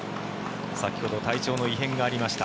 先ほど体調の異変がありました。